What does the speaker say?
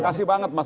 makasih banget mas